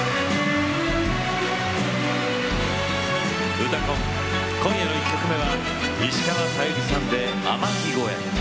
「うたコン」今夜の１曲目は石川さゆりさんで「天城越え」。